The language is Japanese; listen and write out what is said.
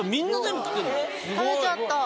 食べちゃった。